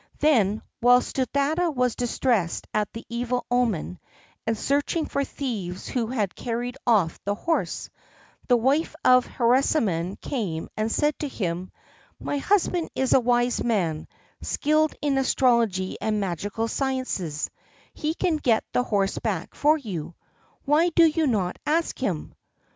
Then, while Sthuladatta was distressed at the evil omen, and searching for the thieves who had carried off the horse, the wife of Harisarman came and said to him: "My husband is a wise man, skilled in astrology and magical sciences; he can get the horse back for you—why do you not ask him?"